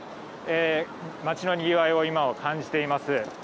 街のにぎわいを今は感じています。